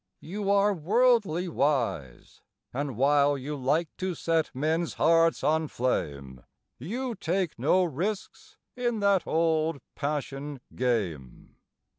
You are worldly wise, And while you like to set men's hearts on flame, You take no risks in that old passion game.